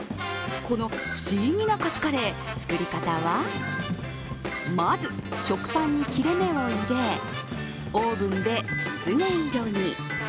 この不思議なカツカレー、作り方はまず食パンに切れ目を入れオーブンできつね色に。